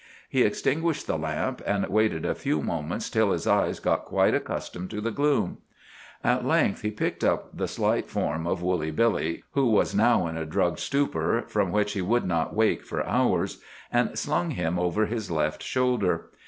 He extinguished the lamp, and waited a few moments till his eyes got quite accustomed to the gloom. At length he picked up the slight form of Woolly Billy (who was now in a drugged stupor from which he would not awake for hours), and slung him over his left shoulder.